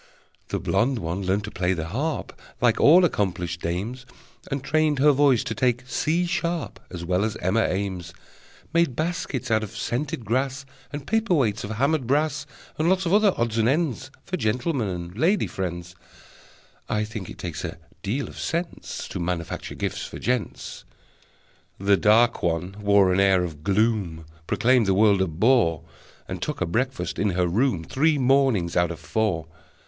The blonde one learned to play the harp, Like all accomplished dames, And trained her voice to take C sharp As well as Emma Eames; Made baskets out of scented grass, And paper weights of hammered brass, And lots of other odds and ends For gentleman and lady friends. (I think it takes a deal of sense To manufacture gifts for gents!) The dark one wore an air of gloom, Proclaimed the world a bore, And took her breakfast in her room Three mornings out of four.